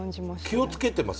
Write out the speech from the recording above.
気をつけてます？